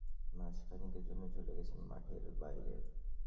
পায়ের পেশিতে চোট পেয়ে তিনিও মাস খানেকের জন্য চলে গেছেন মাঠের বাইরে।